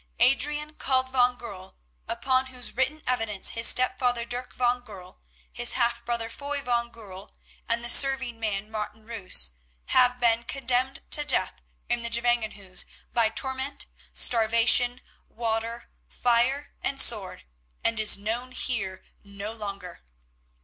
Adrian, called van Goorl, upon whose written evidence his stepfather, Dirk van Goorl, his half brother, Foy van Goorl, and the serving man, Martin Roos, have been condemned to death in the Gevangenhuis by torment, starvation, water, fire, and sword, is known here no longer.